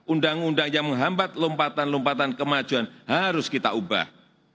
undang undang yang menghambat lompatan lompatan kemajuan harus kita ubah